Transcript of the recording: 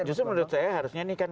justru menurut saya harusnya ini kan